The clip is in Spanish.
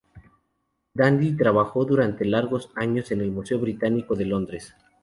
Dandy trabajó durante largos años en el Museo Británico de Londres.